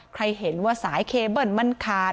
เห็นว่าสายเคเบิ้ลมันขาด